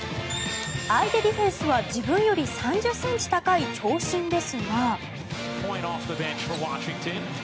相手ディフェンスは自分より３０ｃｍ高い長身ですが。